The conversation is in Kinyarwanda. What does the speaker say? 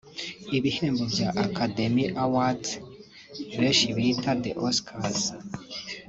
Ibihembo bya Academy Awards benshi bita The Oscars